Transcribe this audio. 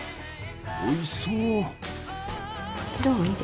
おいしそう。